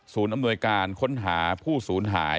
ศูนย์อำนวยการค้นหาผู้ศูนย์หาย